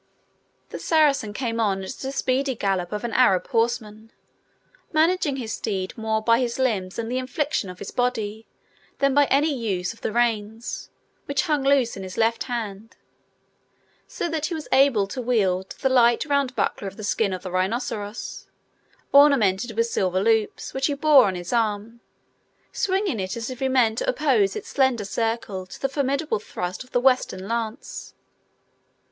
The Saracen came on at the speedy gallop of an Arab horseman, managing his steed more by his limbs and the inflection of his body than by any use of the reins, which hung loose in his left hand; so that he was enabled to wield the light, round buckler of the skin of the rhinoceros, ornamented with silver loops, which he wore on his arm, swinging it as if he meant to oppose its slender circle to the formidable thrust of the Western lance.